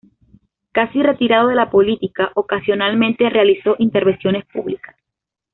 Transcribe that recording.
Casi retirado de la política, ocasionalmente realizó intervenciones públicas.